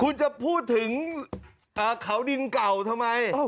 คุณจะพูดถึงเขาดินเก่าทำไม